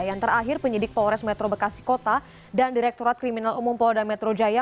yang terakhir penyidik polres metro bekasi kota dan direkturat kriminal umum polda metro jaya